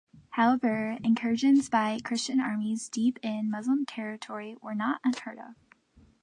However, incursions by Christian armies deep in Muslim territory were not unheard-of.